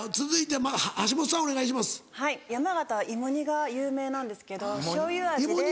はい山形は芋煮が有名なんですけどしょうゆ味で。